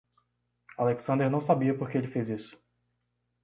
Alexander não sabia por que ele fez isso.